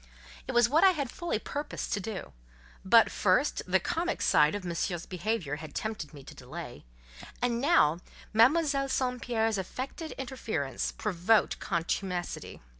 It was what I had fully purposed to do; but, first, the comic side of Monsieur's behaviour had tempted me to delay, and now, Mademoiselle St. Pierre's affected interference provoked contumacity.